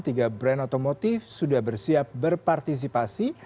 tiga brand otomotif sudah bersiap berpartisipasi